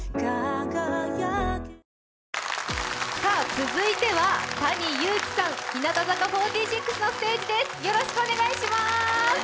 続いてはＴａｎｉＹｕｕｋｉさん、日向坂４６のステージです。